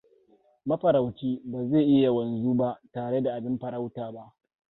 Mafaraucin ba zai iya wanzu ba tare da abin farauta ba.